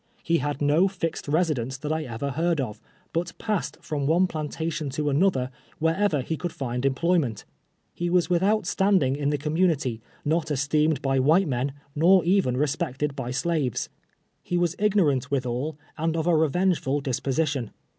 He had no fixed residence that I ever heard of, but passed from one plantation to another, wherever he could find employment. He was with out standing in the community, not esteemed by white men, nor even respected by slaves. lie w^as ignorant, withal, and of a revengeful disposition.